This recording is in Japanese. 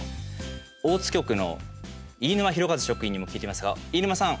大津局の飯沼宏和職員にも聞いてみますが、飯沼さん。